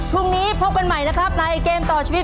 พรุ่งนี้พบกันใหม่นะครับในเกมต่อชีวิต